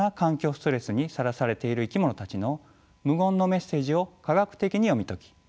ストレスにさらされている生き物たちの無言のメッセージを科学的に読み解き